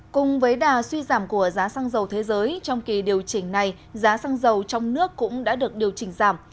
cùng với đà suy giảm của giá xăng dầu thế giới trong kỳ điều chỉnh này giá xăng dầu trong nước cũng đã được điều chỉnh giảm